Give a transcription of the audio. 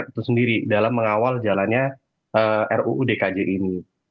jadi kita harus berpikir sendiri dalam mengawal jalannya ruu dkj ini